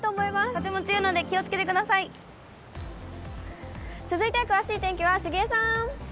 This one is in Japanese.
風も強いので気をつけてくだ続いて詳しい天気は杉江さん。